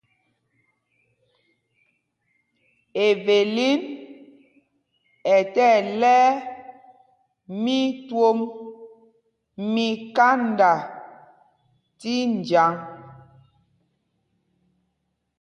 Evelin ɛ tí ɛlɛ̄y mí twôm mí kánda tí njǎŋ.